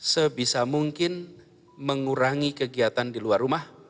sebisa mungkin mengurangi kegiatan di luar rumah